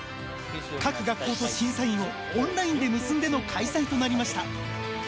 各学校と審査員をオンラインで結んでの開催となりました。